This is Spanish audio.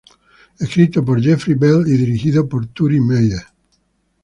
Escrito por Jeffrey Bell y dirigido por Turi Meyer.